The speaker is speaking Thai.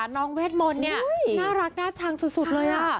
เวทมนต์เนี่ยน่ารักน่าชังสุดเลย